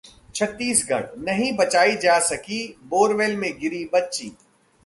छत्तीसगढ़: नहीं बचाई जा सकी बोरवेल में गिरी बच्ची